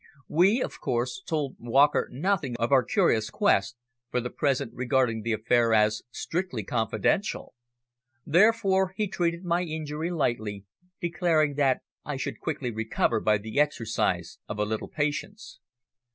We, of course, told Walker nothing of our curious quest, for the present regarding the affair as strictly confidential. Therefore he treated my injury lightly, declaring that I should quickly recover by the exercise of a little patience.